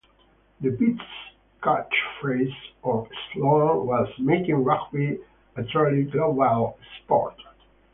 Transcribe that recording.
The bid's catchphrase or slogan was "Making Rugby a Truly Global Sport".